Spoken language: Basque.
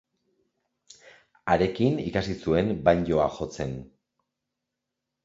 Harekin ikasi zuen banjoa jotzen.